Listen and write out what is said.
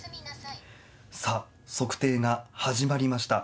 さあ、測定が始まりました。